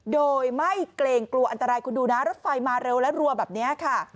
โดยไม่เกรงกลัวอันตรายคุณดูนะรถไฟมาเร็วและรัวแบบนี้ค่ะ